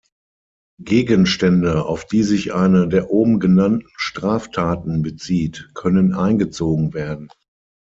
Gegenstände, auf die sich eine der oben genannten Straftaten bezieht, können eingezogen werden.